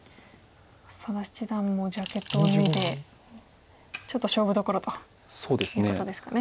佐田七段もジャケットを脱いでちょっと勝負どころということですかね。